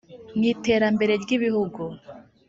mu iterambere ry igihugu